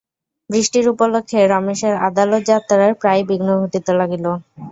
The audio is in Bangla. বৃষ্টির উপলক্ষে রমেশের আদালতযাত্রার প্রায়ই বিঘ্ন ঘটিতে লাগিল।